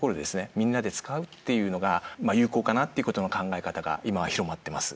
みんなで使うっていうのが有効かなっていうことの考え方が今は広まってます。